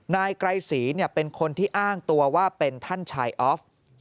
นายไกรศรีเป็นคนที่อ้างตัวว่าเป็นท่านชายออฟ